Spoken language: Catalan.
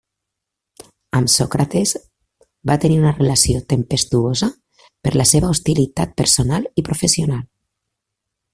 Amb Sòcrates va tenir una relació tempestuosa per la seva hostilitat personal i professional.